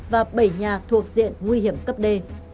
và bảy nhà thuộc diện nguy hiểm cấp d